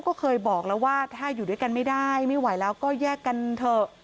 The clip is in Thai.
ก็เคยบอกแล้วว่าถ้าอยู่ด้วยกันไม่ได้ไม่ไหวแล้วก็แยกกันเถอะ